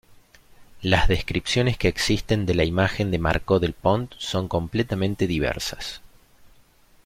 Las descripciones que existen de la imagen de Marcó del Pont son completamente diversas.